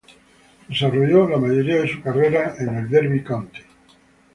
Desarrolló la mayoría de su carrera en el Derby County.